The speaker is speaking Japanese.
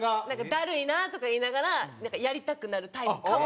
「ダルいな」とか言いながらやりたくなるタイプかもしれない。